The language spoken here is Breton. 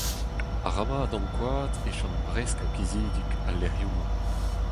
Arabat ankouaat e chom bresk ha kizidik al lec'hioù-mañ !